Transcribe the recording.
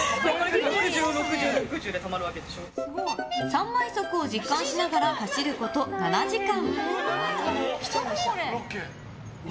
３倍速を実感しながら走ること７時間。